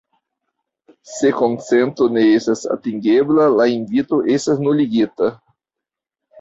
Se konsento ne estas atingebla, la invito estas nuligita.